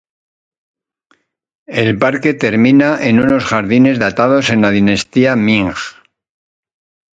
El parque termina en unos jardines datados en la dinastía Ming.